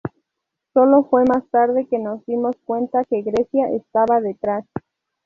Solo fue más tarde que nos dimos cuenta que Grecia estaba detrás.